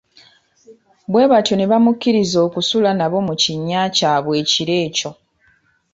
Bwe batyo ne bamukkiriza okusula nabo mu kinnya kyabwe ekilo ekyo.